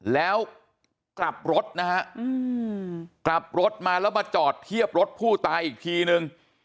แล้วกลับรถนะฮะกลับรถมาแล้วมาจอดเทียบรถผู้ตายอีกทีนึง